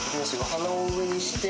鼻を上にして。